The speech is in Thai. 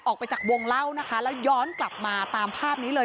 ออกไปจากวงเล่านะคะแล้วย้อนกลับมาตามภาพนี้เลย